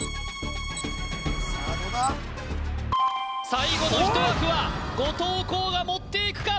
最後の１枠は後藤弘が持っていくか？